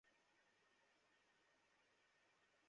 তার একটি তাঁর ব্যাটের ওপরের দিকে লেগে শর্ট থার্ডম্যানের দিকে গেছে।